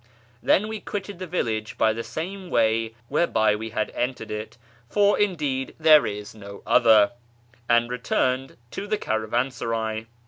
Then we quitted the village by the same way whereby we had entered it (for indeed there is no other), and returned to the caravansaray.